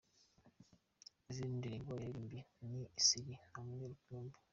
Izindi ndirimbo yaririmbye ni ‘Isiri’ na ‘Umwe rukumbi’.